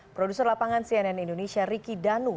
produser lapangan cnn indonesia riki danu